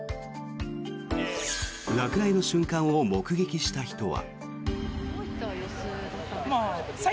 落雷の瞬間を目撃した人は。